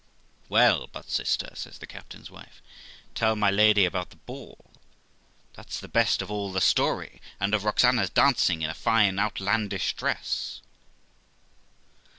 'Well, but, sister', says the captain's wife, 'tell my lady about the ball ; that's the best of all the story; and of Roxana's dancing in a fine outlandish dress.'